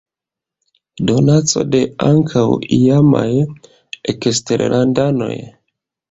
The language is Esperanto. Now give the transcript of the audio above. Donaco de ankaŭ iamaj eksterlandanoj.